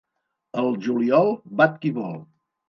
Al juliol bat qui vol.